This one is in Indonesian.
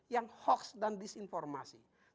yang hoax dan disinformasi